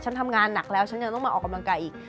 ทำงานหนักแล้วฉันยังต้องมาออกกำลังกายอีก